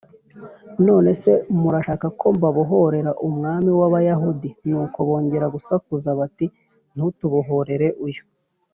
None se murashaka ko mbabohorera umwami w abayahudi nuko bongera gusakuza bati ntutubohorere uyu